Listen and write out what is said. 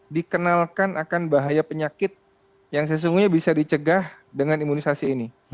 dikenalkan akan bahaya penyakit yang sesungguhnya bisa dicegah dengan imunisasi ini